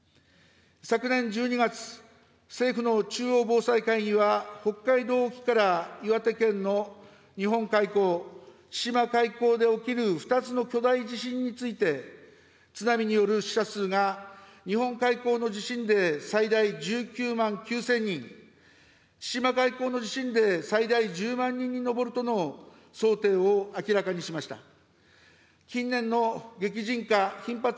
昨年１２月、政府の中央防災会議は、北海道沖から岩手県の日本海溝・千島海溝で起きる２つの巨大地震について、津波による死者数が、日本海溝の地震で最大１９万９０００人、千島海溝の地震で最大１０万人に上るとの想定を明らかにしました。